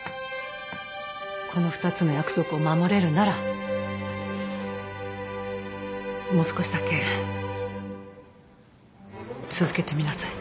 この２つの約束を守れるならもう少しだけ続けてみなさい。